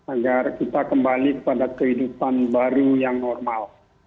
agar kita kembali kepada kehidupan baru yang normal